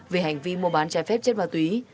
về hành vi mua bán trái phép chất ma túy